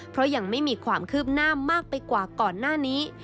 เพราะยังไม่มีความคืบหน้ามากไปกว่าก่อนหน้านี้